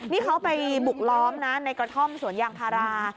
นี่เขาไปบุกล้อมนะในกระท่อมสวนยางพารา